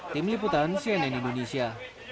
tim liputan cnn indonesia